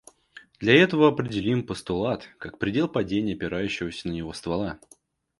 Для этого определим постулат как предел падения опирающегося на него ствола.